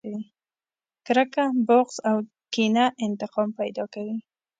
کرکه، بغض او کينه انتقام پیدا کوي.